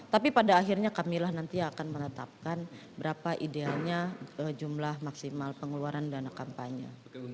tapi pada akhirnya kami akan menetapkan berapa ideanya jumlah maksimal pengeluaran dana kampanye